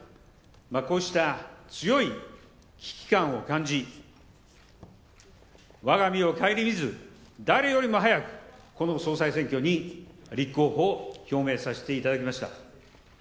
こうした強い危機感を感じわが身を省みず、誰よりも早くこの総裁選挙に立候補を表明させていただきました。